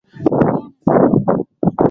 Zanzibar kuna fursa nyingi za uchumi wa buluu